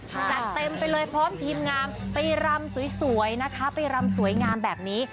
เต็มไปเลยพร้อมทีมงานไปรำสวยนะคะไปรำสวยงามแบบนี้